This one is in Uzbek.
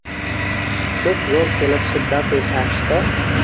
Ko‘p zo‘r kelib shiddatu shashti